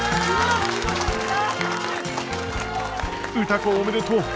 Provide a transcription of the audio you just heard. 歌子おめでとう！